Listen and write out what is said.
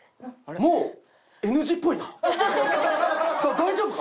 大丈夫か？